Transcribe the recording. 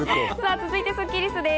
続いてスッキりすです。